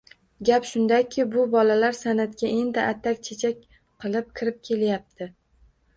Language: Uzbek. — Gap shundaki, bu bolalar san’atga endi atak-chechak qilib kirib kelyapti.